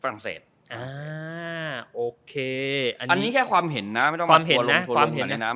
ฝรั่งเศสอ่าโอเคอันนี้อันนี้แค่ความเห็นนะความเห็นนะความเห็นนะ